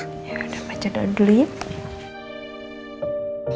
yaudah baca doang dulu yuk